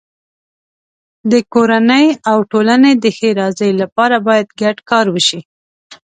د کورنۍ او ټولنې د ښېرازۍ لپاره باید ګډ کار وشي.